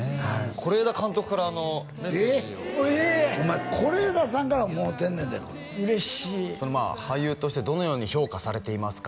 是枝監督からメッセージをえっお前是枝さんからもろてんねんで嬉しい「俳優としてどのように評価されていますか」